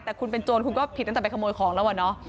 แต่คุณเป็นโจรคุณก็ผิดถึงคำนวยของแล้วนะ